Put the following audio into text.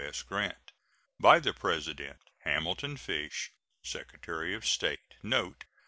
S. GRANT. By the President: HAMILTON FISH, Secretary of State. [NOTE.